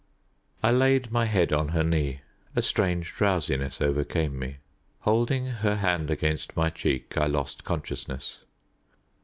I laid my head on her knee. A strange drowsiness overcame me. Holding her hand against my cheek, I lost consciousness.